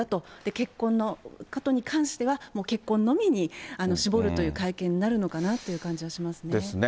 結婚のことに関しては、もう結婚のみに絞るという会見になるのかなという感じはしますよですね。